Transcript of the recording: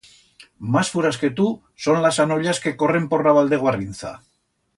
Mas furas que tu son las anollas que corren por la val de Guarrinza.